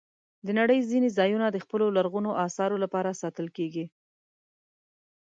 د نړۍ ځینې ځایونه د خپلو لرغونو آثارو لپاره ساتل کېږي.